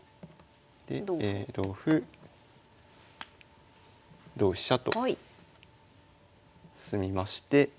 で同歩同飛車と進みまして。